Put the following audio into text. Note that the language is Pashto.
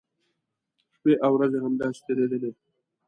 شپی او ورځې همداسې تېریدلې.